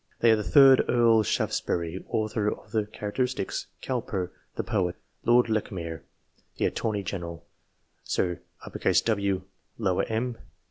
They are the third Earl Shaftesbury, author of the " Charac teristics ;" Cowper, the poet ; Lord Lechmere, the Attor ney General ; Sir Wm.